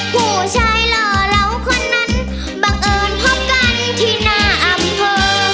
ผู้ชายหล่อเหลาคนนั้นบังเอิญพบกันที่หน้าอำเภอ